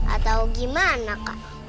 atau gimana kak